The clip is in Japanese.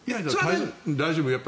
大丈夫。